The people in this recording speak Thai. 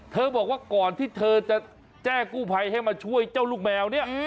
บอกว่าก่อนที่เธอจะแจ้งกู้ภัยให้มาช่วยเจ้าลูกแมวเนี่ย